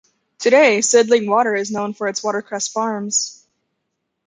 Today Sydling Water is known for its watercress farms.